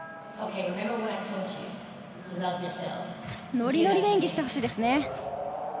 ノリノリで演技してほしいですね。